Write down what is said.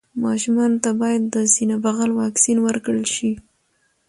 ماشومانو ته باید د سینه بغل واکسين ورکړل شي.